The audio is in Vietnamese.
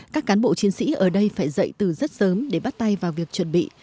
các cán bộ chiến sĩ ở đây phải dậy từ rất sớm để bắt tay vào việc chuẩn bị